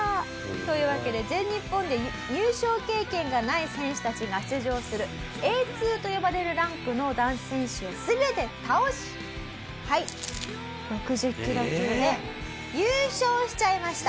というわけで全日本で入賞経験がない選手たちが出場するＡ−２と呼ばれるランクの男子選手を全て倒し６０キロ級で優勝しちゃいました。